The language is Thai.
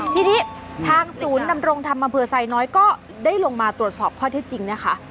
ทีนี้ทางศูนย์นำรงธรรมอำเภอไซน้อยก็ได้ลงมาตรวจสอบข้อที่จริงนะคะ